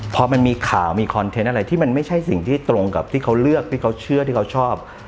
พอมันมีข่าวมีคอนเทนต์อะไรที่มันไม่ใช่สิ่งที่ตรงกับที่เขาเลือกที่เขาเชื่อที่เขาชอบ